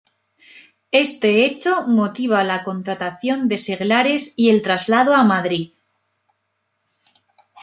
Este hecho motiva la contratación de seglares y el traslado a Madrid.